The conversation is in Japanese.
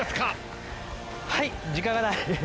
はい時間がない。